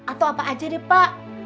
atau apa aja nih pak